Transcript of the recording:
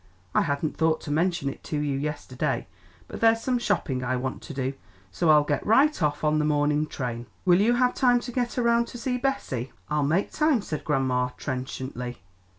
I hadn't thought to mention it to you yesterday, but there's some shopping I want to do, so I'll get right off on the morning train." "Will you have time to get around to see Bessie?" "I'll make time," said grandma trenchantly.